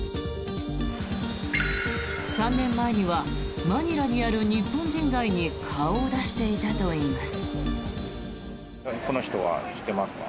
３年前にはマニラにある日本人街に顔を出していたといいます。